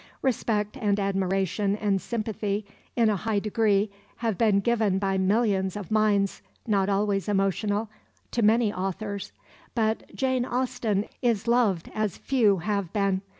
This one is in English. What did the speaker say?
Respect and admiration and sympathy in a high degree have been given by millions of minds, not always emotional, to many authors, but Jane Austen is loved as few have been.